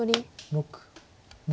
６７。